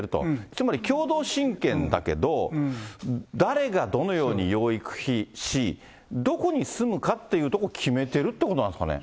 つまり共同親権だけど、誰がどのように養育し、どこに住むかっていうことを決めてるってことなんですかね。